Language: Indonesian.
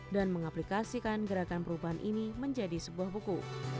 dan mengaplikasikan gerakan perubahan ini menjadi sebuah buku